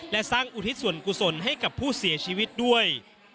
และสร้างอุทิศส่วนกุศลให้กับผู้เสียชีวิตด้วย